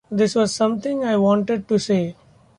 This was something I wanted to say.